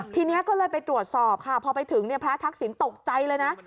ทีนี้ก็เลยไปตรวจสอบค่ะพอไปถึงพระทักษิณตกใจเลยนะ